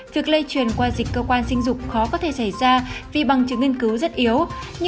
việc lây truyền qua dịch cơ quan sinh dục khó có thể xảy ra vì bằng chứng nghiên cứu rất yếu